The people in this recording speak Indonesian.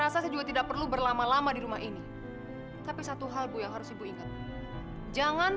saya tidak mau mas dimiliki oleh wanita lain